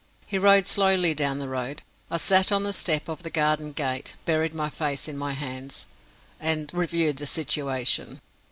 He rode slowly down the road. I sat on the step of the garden gate, buried my face in my hands, and reviewed the situation.